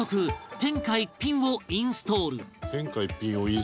「“天下一品”をインストール」